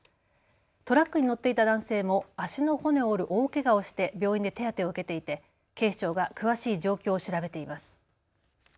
トラックに乗っていた男性も足の骨を折る大けがをして病院で手当てを受けていて警視庁が詳しい状況を調べています。